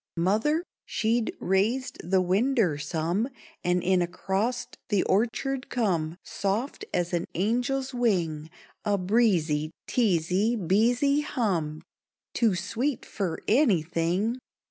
Mother she'd raised the winder some; And in acrost the orchard come, Soft as an angel's wing, A breezy, treesy, beesy hum, Too sweet fer anything!